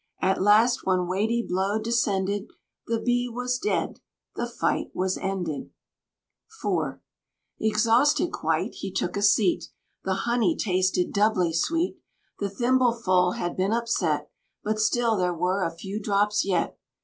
At last one weighty blow descended: The Bee was dead the fight was ended. IV. Exhausted quite, he took a seat. The honey tasted doubly sweet! The thimble full had been upset, But still there were a few drops yet.